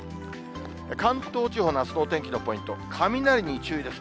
関東地方のあすのお天気のポイント、雷に注意です。